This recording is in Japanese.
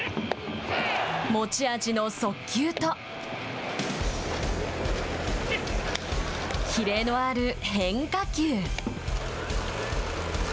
持ち味の速球とキレのある変化球。